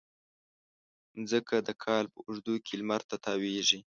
مځکه د کال په اوږدو کې لمر ته تاوېږي.